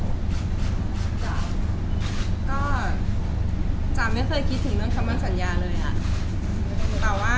ก็จ๋าไม่เคยคิดถึงคำสัญญาเลย